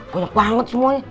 banyak banget semuanya